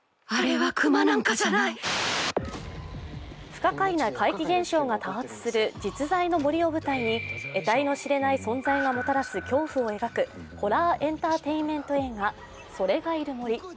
不可解な怪奇現象が多発する実在の森を舞台にえたいの知れない存在がもたらす恐怖を描くホラーエンターテインメント映画「“それ”がいる森」。